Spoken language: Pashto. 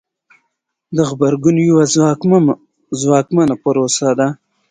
د غبرګون یوه ځواکمنه پروسه ده.